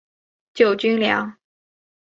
救军粮